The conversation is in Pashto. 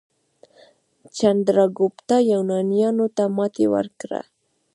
چندراګوپتا یونانیانو ته ماتې ورکړه.